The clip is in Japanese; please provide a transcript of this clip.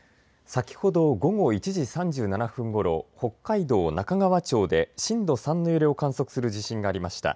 先ほど午後１時３７分ごろ北海道中川町で震度３の揺れを観測する地震がありました。